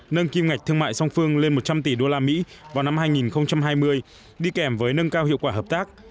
nâng kim ngạch thương mại song phương lên một trăm linh tỷ usd vào năm hai nghìn hai mươi đi kèm với nâng cao hiệu quả hợp tác